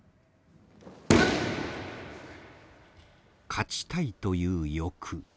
勝ちたいという欲。